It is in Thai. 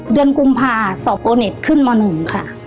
เดือนกรุงพาสอบโอเน็ตขึ้นมาหนึ่งค่ะ